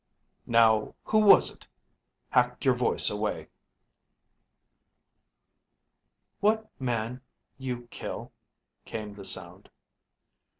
Now who was it hacked your voice away?" What ... man ... you ... kill ... came the sound.